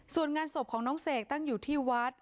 ส่วนงานศพของน้องเสกตั้งอยู่ที่วัด